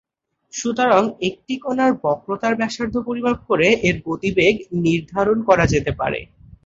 সুতরাং, একটি কণার বক্রতার ব্যাসার্ধ পরিমাপ করে, এর গতিবেগ নির্ধারণ করা যেতে পারে।